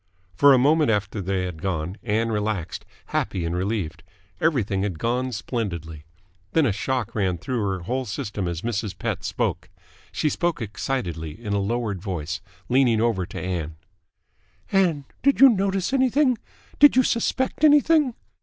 For a moment after they had gone, Ann relaxed, happy and relieved. Everything had gone splendidly. Then a shock ran through her whole system as Mrs. Pett spoke. She spoke excitedly, in a lowered voice, leaning over to Ann. "Ann! Did you notice anything? Did you suspect anything?"